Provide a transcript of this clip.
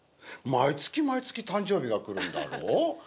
毎月毎月誕生日が来るんだろ？